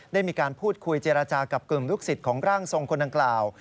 ได้มีการพูดคุยเจรจากับกลุ่มลูกศิษย์ของร่างทรงคนดังกล่าว